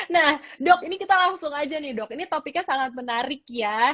nah dok ini kita langsung aja nih dok ini topiknya sangat menarik ya